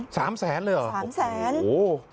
สามแสนเลยเหรอสามแสนโอ้โห